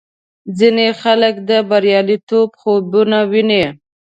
ځینې خلک د بریالیتوب خوبونه ویني.